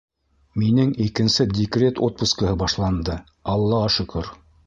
Минең икенсе декрет отпускыһы башланды, аллаға шөкөр.